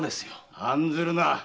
案ずるな！